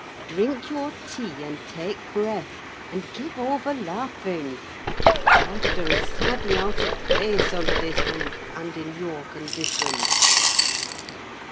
Drink your tea, and take breath, and give over laughing: laughter is sadly out of place under this roof, and in your condition!"